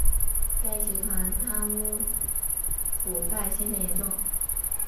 该集团贪污腐败现象严重。